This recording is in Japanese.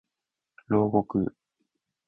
牢獄